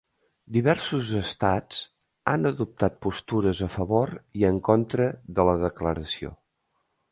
Diversos estats han adoptat postures a favor i en contra de la declaració.